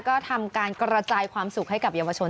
ก็ทำการกระจายความสุขให้กับเยาวชน